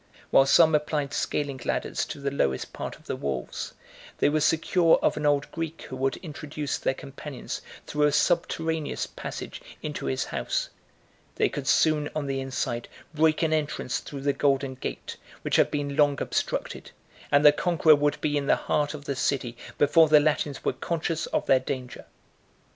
While some applied scaling ladders to the lowest part of the walls, they were secure of an old Greek, who would introduce their companions through a subterraneous passage into his house; they could soon on the inside break an entrance through the golden gate, which had been long obstructed; and the conqueror would be in the heart of the city before the Latins were conscious of their danger.